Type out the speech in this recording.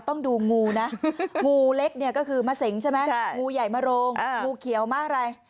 ต้องดูงูนะงูเล็กเนี่ยก็คือมะเสงใช่ไหมงูใหญ่มะโรงงูเขียวมะอะไร